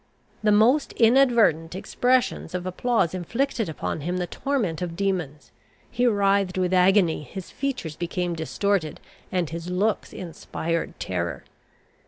The most inadvertent expression of applause inflicted upon him the torment of demons. He writhed with agony, his features became distorted, and his looks inspired terror.